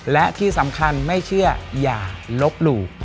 และที่สำคัญไม่เชื่ออย่าลบหลู่